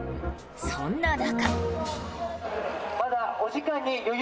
そんな中。